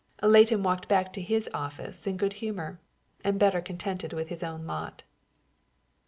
Leighton walked back to his office in good humor and better contented with his own lot.